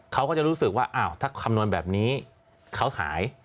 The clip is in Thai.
เขาก็จะรู้สึกว่าอ้าวถ้าคำนวณแบบนี้เขาหาย